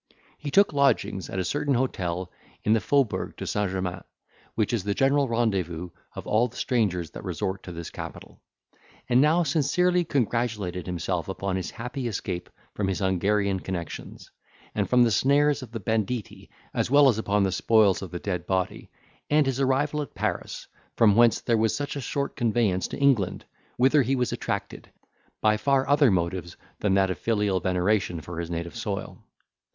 He took lodgings at a certain hotel in the Fauxbourg de St. Germain, which is the general rendezvous of all the strangers that resort to this capital; and now sincerely congratulated himself upon his happy escape from his Hungarian connexions, and from the snares of the banditti, as well as upon the spoils of the dead body, and his arrival at Paris, from whence there was such a short conveyance to England, whither he was attracted, by far other motives than that of filial veneration for his native soil.